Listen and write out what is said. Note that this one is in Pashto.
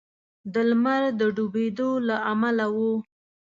د لمر د ډبېدو له امله و.